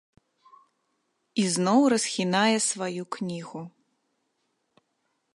Ізноў расхінае сваю кнігу.